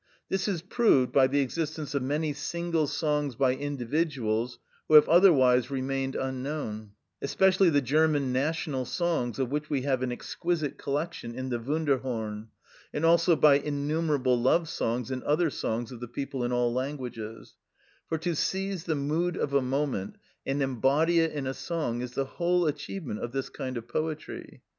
This is proved by the existence of many single songs by individuals who have otherwise remained unknown; especially the German national songs, of which we have an exquisite collection in the "Wunderhorn;" and also by innumerable love songs and other songs of the people in all languages;—for to seize the mood of a moment and embody it in a song is the whole achievement of this kind of poetry.